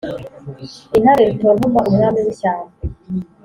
intare rutontoma umwami w'ishyamba